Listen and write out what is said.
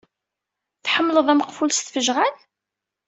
Tḥemmleḍ ameqful s tfejɣal?